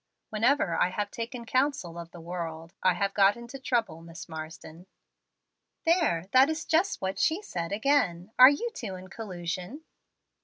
"Whenever I have taken counsel of the world, I have got into trouble, Miss Marsden." "There, that is just what she said again. Are you two in collusion."